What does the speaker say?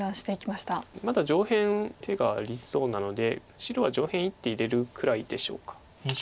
まだ上辺手がありそうなので白は上辺一手入れるくらいでしょうか。